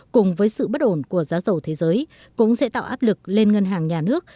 cùng với sự bất ổn của giá dầu thế giới cũng sẽ tạo áp lực lên ngân hàng nhà nước